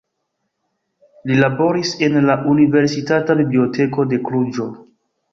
Li laboris en la Universitata Biblioteko de Kluĵo.